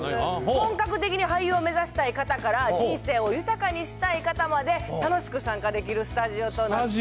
本格的に俳優を目指したい方から人生を豊かにしたい方まで、楽しく参加できるスタジオとなっております。